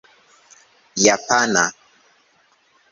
japana